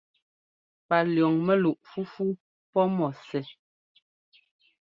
Palʉ̈ɔŋ mɛluꞋ fúfú pɔ́ mɔ sɛ́.